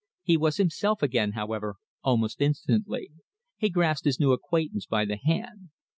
He was himself again, however, almost instantly. He grasped his new acquaintance by the hand.